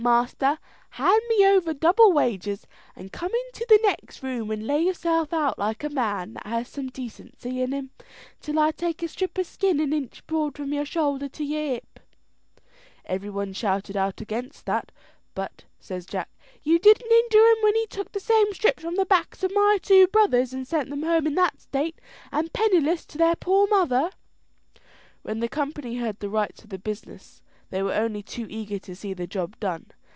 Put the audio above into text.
Master, hand me over double wages, and come into the next room, and lay yourself out like a man that has some decency in him, till I take a strip of skin an inch broad from your shoulder to your hip." Every one shouted out against that; but, says Jack, "You didn't hinder him when he took the same strips from the backs of my two brothers, and sent them home in that state, and penniless, to their poor mother." When the company heard the rights of the business, they were only too eager to see the job done.